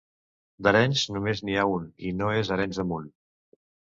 D'Arenys només n'hi ha un i no és Arenys de Munt.